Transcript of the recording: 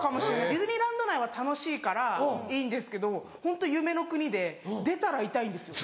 ディズニーランド内は楽しいからいいんですけどホント夢の国で出たら痛いんですよ。